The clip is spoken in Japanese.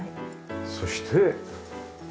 そして。